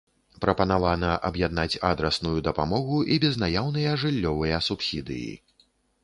Прапанавана аб'яднаць адрасную дапамогу і безнаяўныя жыллёвыя субсідыі.